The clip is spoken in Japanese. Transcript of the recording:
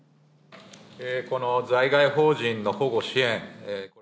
この在外邦人の保護支援。